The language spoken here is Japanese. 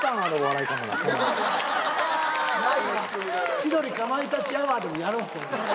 『千鳥かまいたちアワー』でやろう。